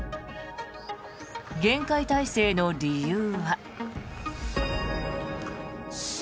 厳戒態勢の理由は。